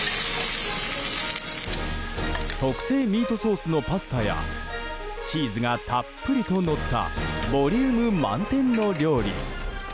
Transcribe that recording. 特製ミートソースのパスタやチーズがたっぷりとのったボリューム満点の料理。